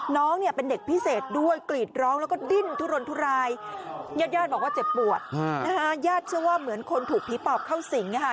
น้องเนี่ยเป็นเด็กพิเศษด้วยกรีดร้องแล้วก็ดิ้นทุรนทุรายญาติญาติบอกว่าเจ็บปวดนะฮะญาติเชื่อว่าเหมือนคนถูกผีปอบเข้าสิงค่ะ